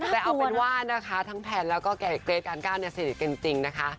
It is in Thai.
แต่เอาเป็นว่านะคะทั้งแพนแล้วก็เกรทการก้าวเนี่ยสนิทกันจริงนะคะ